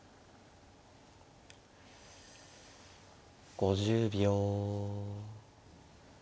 ５０秒。